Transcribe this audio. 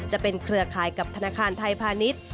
เครือข่ายกับธนาคารไทยพาณิชย์